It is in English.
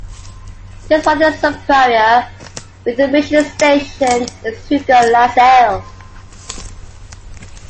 His father superior within the mission station is Hugo Lassalle.